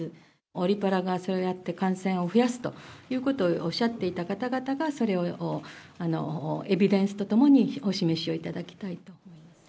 オリパラがそうやって感染を増やすということをおっしゃっていた方々が、それをエビデンスとともにお示しをいただきたいと思います。